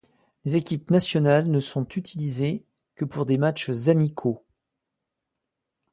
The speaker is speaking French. Les équipes nationales ne sont utilisées que pour des matchs amicaux.